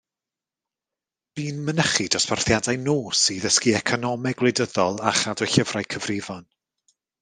Bu'n mynychu dosbarthiadau nos i ddysgu economeg wleidyddol a chadw llyfrau cyfrifon.